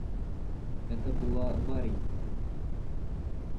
Это была Варенька.